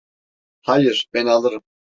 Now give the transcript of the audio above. Hayır, ben alırım.